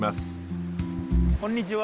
こんにちは。